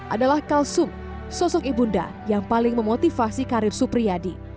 adalah kalsum sosok ibunda yang paling memotivasi karir supriyadi